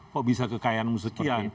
kok bisa kekayaanmu sekian